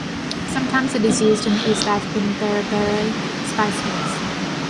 Sometimes it is used in the East African "berbere" spice mix.